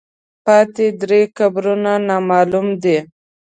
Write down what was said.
پاتې درې قبرونه نامعلوم دي.